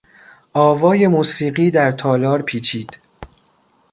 آوای موسیقی در تالار پیچید.